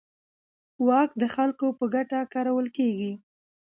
واک د خلکو په ګټه کارول کېږي.